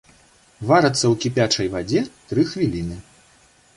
Варацца ў кіпячай вадзе тры хвіліны.